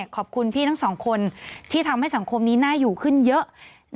ขอบคุณพี่ทั้งสองคนที่ทำให้สังคมนี้น่าอยู่ขึ้นเยอะ